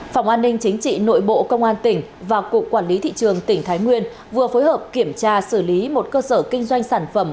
phòng an ninh chính trị nội bộ công an tỉnh và cục quản lý thị trường tỉnh thái nguyên vừa phối hợp kiểm tra xử lý một cơ sở kinh doanh sản phẩm